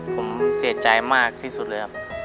ผมเสียใจมากที่สุดเลยครับ